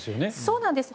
そうなんです。